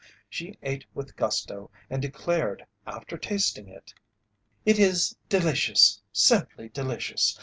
She ate with gusto and declared after tasting it: "It is delicious, simply delicious!